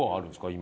今。